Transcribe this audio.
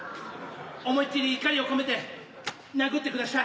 思いっ切り怒りを込めて殴ってくだしゃい。